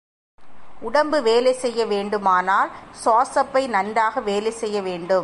உடம்பு வேலை செய்ய வேண்டுமானால் சுவாசப்பை நன்றாக வேலை செய்ய வேண்டும்.